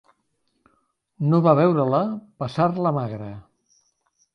No va veure-la passar-la magra.